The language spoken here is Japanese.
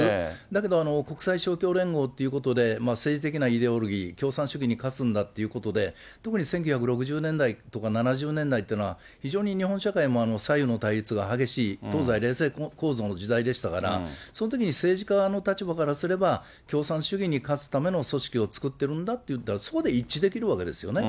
だけど国際勝共連合ということで、政治的なイデオロギー、共産主義に勝つんだということで、特に１９６０年代とか７０年代というのは、非常に日本社会も左右の対立が激しい、東西冷戦構造の時代でしたから、そのときに政治家の立場からすれば、共産主義に勝つための組織を作っているんだといったら、それで一致できるんですよね。